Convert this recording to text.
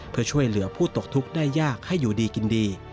เพื่อช่วยเหลือผู้ตกทุกข์ได้ยากให้อยู่ดีกินดี